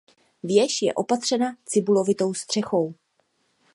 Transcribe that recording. Věž je opatřena cibulovitou střechou.